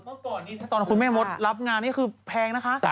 เมื่อก่อนนี้ตอนคุณแม่มดรับงานนี่คือแพงนะคะ